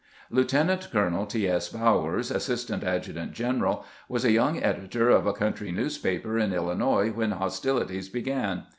Lieutenant colonel T. S. Bowers, assistant adjutant general, was a young editor of a country newspaper in Hlinois when hostilities began.